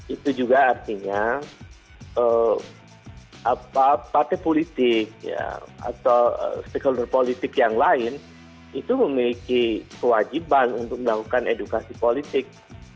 itu juga artinya partai politik atau stakeholder politik yang lain itu memiliki kewajiban untuk melakukan edukasi politik